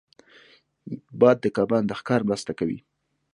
باد د کبان د ښکار مرسته کوي